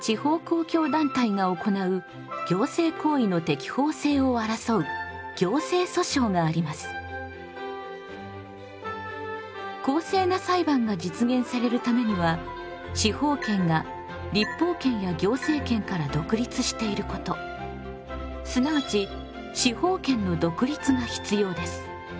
司法権を行使する訴訟すなわち裁判には公正な裁判が実現されるためには司法権が立法権や行政権から独立していることすなわち司法権の独立が必要です。